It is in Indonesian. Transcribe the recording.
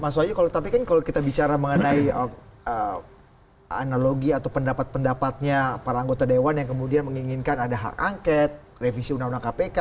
mas wahyu tapi kan kalau kita bicara mengenai analogi atau pendapat pendapatnya para anggota dewan yang kemudian menginginkan ada hak angket revisi undang undang kpk